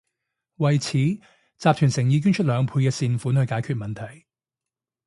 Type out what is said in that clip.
為此，集團誠意捐出咗兩倍嘅善款去解決問題